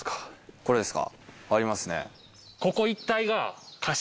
ここですか。